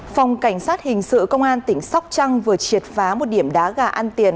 phòng cảnh sát hình sự công an tỉnh sóc trăng vừa triệt phá một điểm đá gà ăn tiền